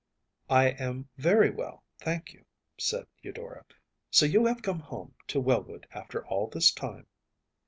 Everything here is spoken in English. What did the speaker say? ‚ÄĚ “I am very well, thank you,‚ÄĚ said Eudora. “So you have come home to Wellwood after all this time?